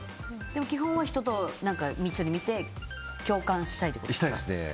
でも基本は人と一緒に見て共感したいってことですか。